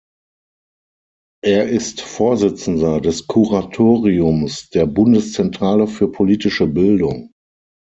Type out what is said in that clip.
Er ist Vorsitzender des Kuratoriums der Bundeszentrale für politische Bildung.